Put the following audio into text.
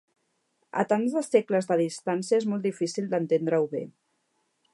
A tants de segles de distància és molt difícil d'entendre-ho bé.